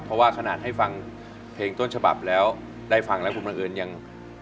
เพราะว่าขนาดให้ฟังเพลงต้นฉบับแล้วได้ฟังแล้วคุณบังเอิญยัง